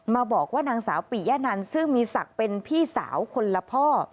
มาบอกว่านางสาวปิยะนันซึ่งมีศักดิ์เป็นพี่สาวคนละพ่อ